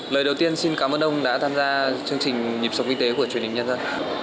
lời đầu tiên xin cảm ơn ông đã tham gia chương trình nhịp sống kinh tế của truyền hình nhân dân